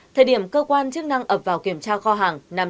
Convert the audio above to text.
thời điểm cơ quan chức năng ập vào kiểm tra kho hàng nằm trong khu công nghiệp